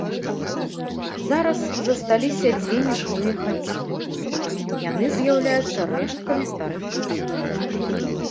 Зараз засталіся дзве нежылыя хаціны, яны з'яўляюцца рэшткамі старых будынкаў.